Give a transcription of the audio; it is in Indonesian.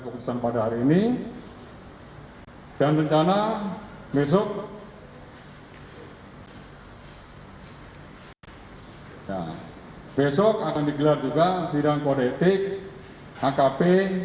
keputusan pada hari ini dan rencana besok besok akan digelar juga sidang politik akp